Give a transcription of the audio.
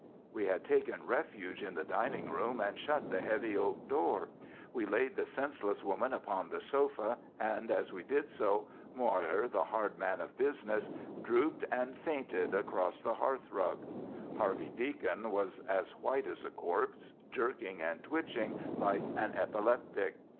We had taken refuge in the dining room, and shut the heavy oak door. We laid the senseless woman upon the sofa, and as we did so, Moir, the hard man of business, drooped and fainted across the hearthrug. Harvey Deacon was as white as a corpse, jerking and twitching like an epileptic.